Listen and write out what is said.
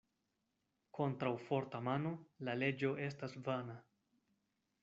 Kontraŭ forta mano la leĝo estas vana.